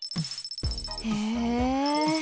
へえ。